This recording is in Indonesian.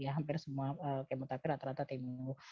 hampir semua kemoterapi rata rata tiga minggu